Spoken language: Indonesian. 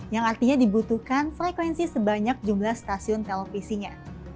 yang artinya dibutuhkan frekuensi sebanyak jumlah stasiun televisinya